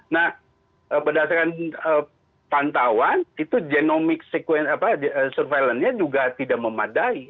nah berdasarkan pantauan itu genomic surveillance nya juga tidak memadai